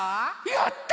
やった！